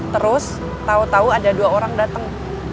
terus tau tau ada dua orang dateng